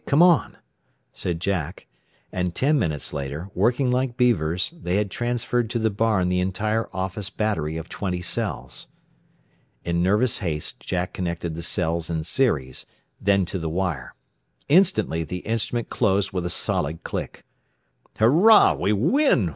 Come on," said Jack. And ten minutes later, working like beavers, they had transferred to the barn the entire office battery of twenty cells. In nervous haste Jack connected the cells in series, then to the wire. Instantly the instrument closed with a solid click. "Hurrah! We win!